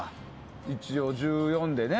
一応１４でね。